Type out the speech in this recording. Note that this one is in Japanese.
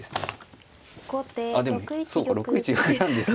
あっでもそうか６一玉なんですね。